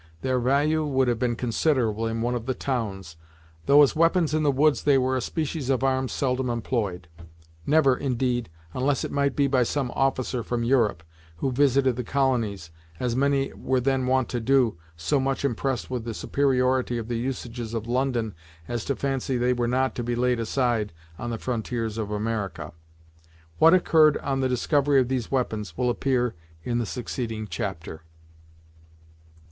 Their value would have been considerable in one of the towns, though as weapons in the woods they were a species of arms seldom employed; never, indeed, unless it might be by some officer from Europe, who visited the colonies, as many were then wont to do, so much impressed with the superiority of the usages of London as to fancy they were not to be laid aside on the frontiers of America. What occurred on the discovery of these weapons will appear in the succeeding chapter.